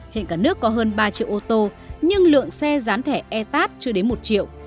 hiện cả nước có hơn ba triệu ô tô nhưng lượng xe gián thẻ etat chưa đến một triệu